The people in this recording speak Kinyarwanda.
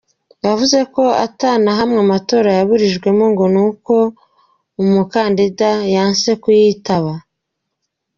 Yavuze ko "ata na hamwe amatora yaburijwemwo ngo nuko hari umukandida yanse kuyitaba".